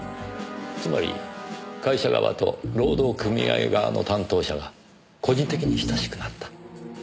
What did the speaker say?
つまり会社側と労働組合側の担当者が個人的に親しくなった。